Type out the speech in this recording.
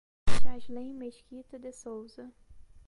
Chaslen Mesquita de Sousa